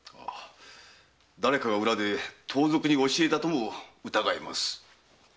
誰かが裏で盗賊に教えたとも疑えます。